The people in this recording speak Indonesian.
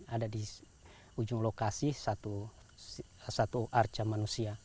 ada di ujung lokasi satu arca manusia